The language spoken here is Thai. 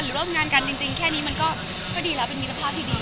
ร่วมงานกันจริงแค่นี้มันก็ดีแล้วเป็นมิตรภาพที่ดี